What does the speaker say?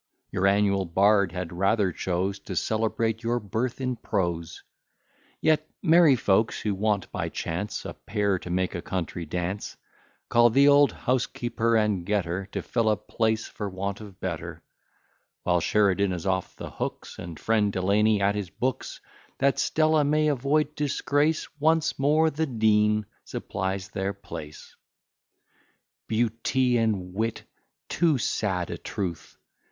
Your annual bard had rather chose To celebrate your birth in prose: Yet merry folks, who want by chance A pair to make a country dance, Call the old housekeeper, and get her To fill a place for want of better: While Sheridan is off the hooks, And friend Delany at his books, That Stella may avoid disgrace, Once more the Dean supplies their place. Beauty and wit, too sad a truth!